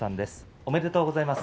おめでとうございます。